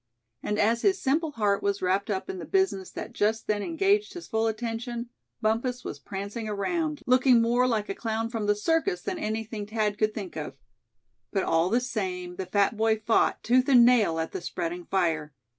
And as his simple heart was wrapped up in the business that just then engaged his full attention, Bumpus was prancing around, looking more like a clown from the circus than anything Thad could think of. But all the same the fat boy fought, tooth and nail, at the spreading fire.